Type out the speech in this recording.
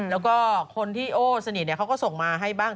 แล้วก็คนที่โอ้สนิทเขาก็ส่งมาให้บ้าง